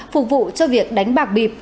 phục vụ cho việc đánh bạc bịp